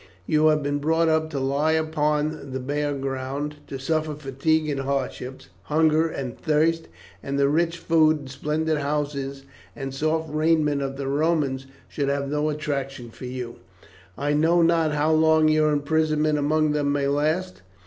"You have been brought up to lie upon the bare ground, to suffer fatigue and hardship, hunger and thirst, and the rich food and splendid houses and soft raiment of the Romans should have no attraction for you. I know not how long your imprisonment among them may last.